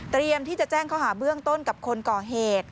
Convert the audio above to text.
ที่จะแจ้งข้อหาเบื้องต้นกับคนก่อเหตุ